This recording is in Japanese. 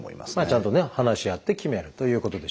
ちゃんとね話し合って決めるということでしょうか。